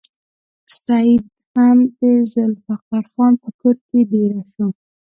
سید هم د ذوالفقار خان په کور کې دېره شو.